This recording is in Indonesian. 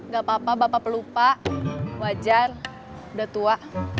gak apa apa bapak pelupa wajar udah tua